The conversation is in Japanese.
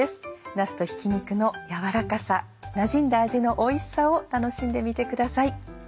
なすとひき肉の軟らかさなじんだ味のおいしさを楽しんでみてください。